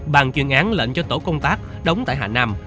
bàn chuyên án lệnh cho tổ công tác đóng tại hà nam